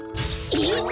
えっ？